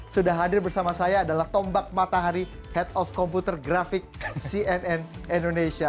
sudah hadir bersama saya adalah tombak matahari head of computer grafik cnn indonesia